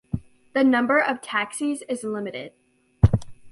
The number of taxis is limited.